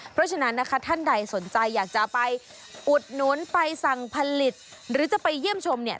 เพราะฉะนั้นนะคะท่านใดสนใจอยากจะไปอุดหนุนไปสั่งผลิตหรือจะไปเยี่ยมชมเนี่ย